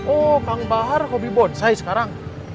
oh kang bahar hobi bonsai sekarang